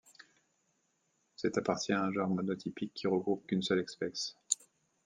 C'est appartient à un genre mono-typique, qui regroupe qu'une seule espèce.